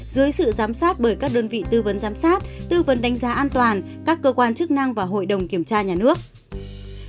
dưới sự giám sát bởi các đơn vị tư vấn giám sát tư vấn đánh giá an toàn các cơ quan chức năng và hội đồng kiểm tra nhà nước